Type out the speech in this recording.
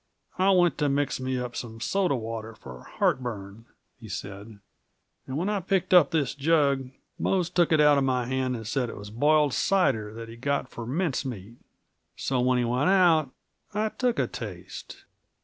"I went to mix me up some soda water for heartburn," he said, "and when I picked up this jug, Mose took it out of my hand and said it was boiled cider, that he'd got for mince meat. So when he went out, I took a taste.